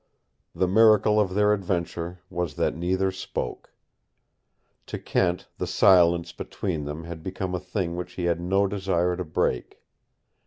The miracle of their adventure was that neither spoke. To Kent the silence between them had become a thing which he had no desire to break.